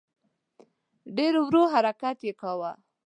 ډېر ورو حرکت یې کاوه.